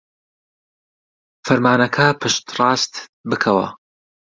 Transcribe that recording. فەرمانەکە پشتڕاست بکەوە.